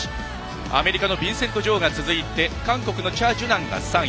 アメリカのビンセント・ジョウが続いて韓国のチャ・ジュナンが３位。